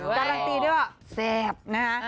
การังตีด้วยแซ่บนะคะ